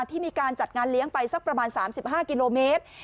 ที่มีการจัดงานเลี้ยงไปสักประมาณ๓๕กิโลเมตร